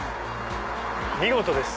見事です。